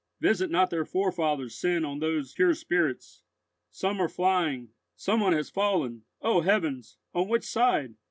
Visit not their forefathers' sin on those pure spirits. Some are flying. Some one has fallen! O heavens! on which side?